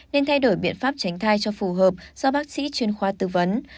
nên thay đổi biện pháp tránh thai cho phù hợp do bác sĩ chuyên khoa tư vấn